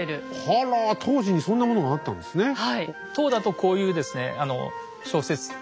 あら当時にそんなものがあったんですね。